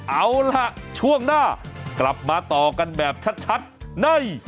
เอาล่ะช่วงหน้ากลับมาต่อกันแบบชัดใน